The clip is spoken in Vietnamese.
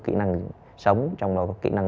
kỹ năng sống trong đó có kỹ năng